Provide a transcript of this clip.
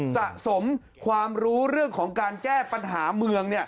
สะสมความรู้เรื่องของการแก้ปัญหาเมือง